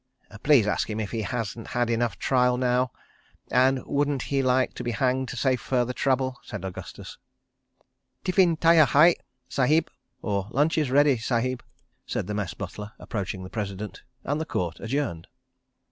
"Please ask him if he hasn't had enough trial now, and wouldn't he like to be hanged to save further trouble," said Augustus. "Tiffin tyar hai, Sahib," said the Mess butler, approaching the President, and the Court adjourned.